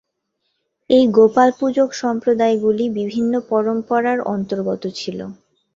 এই গোপাল-পূজক সম্প্রদায়গুলি বিভিন্ন পরম্পরার অন্তর্গত ছিল।